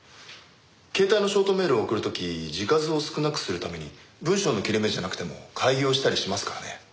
携帯のショートメールを送る時字数を少なくするために文章の切れ目じゃなくても改行したりしますからね。